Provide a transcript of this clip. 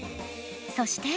そして。